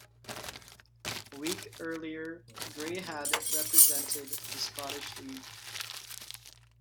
A week earlier, Gray had represented the Scottish League.